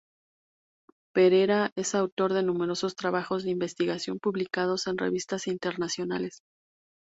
Perera es autor de numerosos trabajos de investigación, publicados en revistas internacionales.